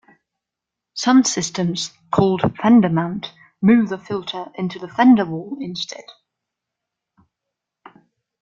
Some systems, called "fender mount," move the filter into the fender wall instead.